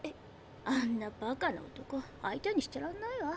あんなバカな男相手にしてらんないわ。